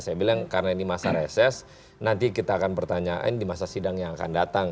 saya bilang karena ini masa reses nanti kita akan pertanyaan di masa sidang yang akan datang